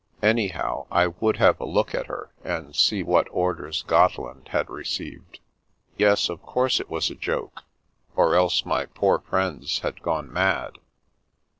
Anyhow, I would have a look at her, and see what orders Gotteland had received. Yes, of course it was a joke. Or else my poor friends had gone mad.